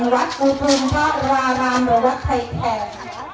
ว่ะณวัตต์กูคือวาวะด่ามรสลายแขด